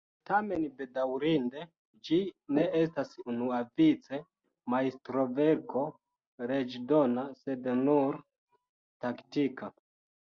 Tamen, bedaŭrinde, ĝi ne estas unuavice majstroverko leĝdona sed nur taktika.